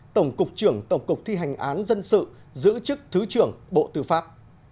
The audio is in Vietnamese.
tổng cục trưởng tổng cục thi hành án dân sự giữ chức thứ trưởng bộ tư pháp